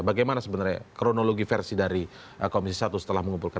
bagaimana sebenarnya kronologi versi dari komisi satu setelah mengumpulkan